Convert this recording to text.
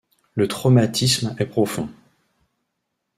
Le traumatisme est profond.